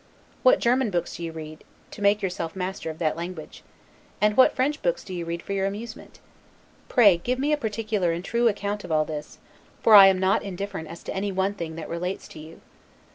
What German books do you read, to make yourself master of that language? And what French books do you read for your amusement? Pray give me a particular and true account of all this; for I am not indifferent as to any one thing that relates to you.